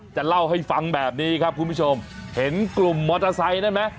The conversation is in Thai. จะเล่าให้ฟังแบบนี้ครับคุณผู้ชมเห็นกลุ่มมอเตอร์ไซค์นั่นไหม